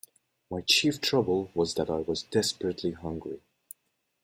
My chief trouble was that I was desperately hungry.